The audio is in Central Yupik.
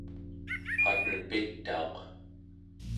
waten pitauq